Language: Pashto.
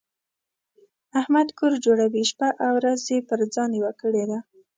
احمد کور جوړوي؛ شپه او ورځ يې پر ځان یوه کړې ده.